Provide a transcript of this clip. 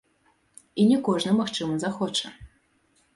І не кожны магчыма захоча.